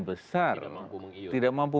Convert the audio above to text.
besar tidak mampu